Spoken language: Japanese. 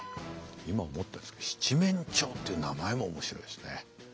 今思ったんですけど七面鳥っていう名前も面白いですね。